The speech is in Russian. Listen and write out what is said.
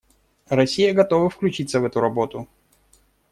Россия готова включиться в эту работу.